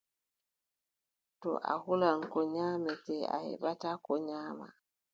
To a hulan ko nyaamete, a beɓataa ko nyaama.